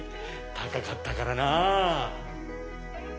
高かったからなぁ！